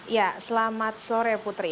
ya selamat sore putri